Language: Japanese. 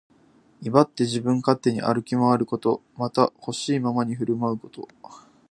威張って自分勝手に歩き回ること。また、ほしいままに振る舞うこと。